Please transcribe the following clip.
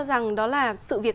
là rất quyết liệt